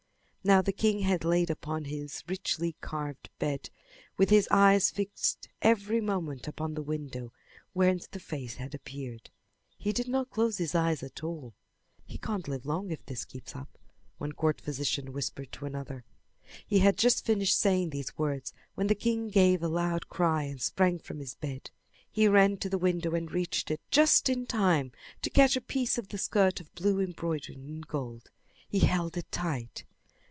Now the king had lain upon his richly carved bed with his eyes fixed every moment upon the window where the face had appeared. He did not close his eyes at all. "He can't live long if this keeps up," one court physician whispered to another. He had just finished saying these words when the king gave a loud cry and sprang from his bed. He ran to the window and reached it just in time to catch a piece of the skirt of blue embroidered in gold. He held it tight.